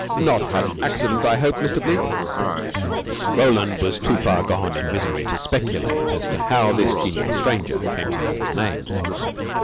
"Not had an accident, I hope, Mr. Bleke?" Roland was too far gone in misery to speculate as to how this genial stranger came to know his name.